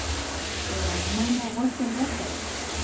په وږمو مې غسل وکړ